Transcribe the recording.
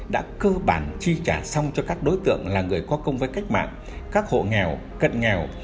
đã cơ bản chi trả xong cho các đối tượng là người có công với cách mạng các hộ nghèo cận nghèo